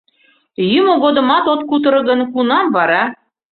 Йӱмӧ годымат от кутыро гын, кунам вара?